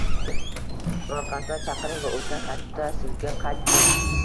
Orqasidan chaqiring va oʻtgan hafta sizga qaytdim.